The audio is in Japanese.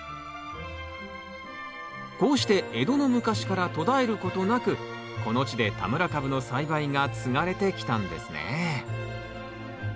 こうして江戸の昔から途絶えることなくこの地で田村かぶの栽培が継がれてきたんですね。